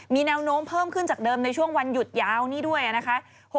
มีแนวโน้มเพิ่มขึ้นจากเดิมในช่วงวันหยุดยาวนี้ด้วยนะคะ